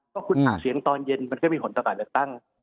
ก็คุณอ่านเสียงตอนเย็นมันก็มีผลต่อการเลือกตั้ง